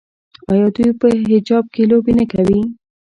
آیا دوی په حجاب کې لوبې نه کوي؟